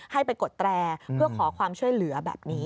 ให้ไปกดแตรเพื่อขอความช่วยเหลือแบบนี้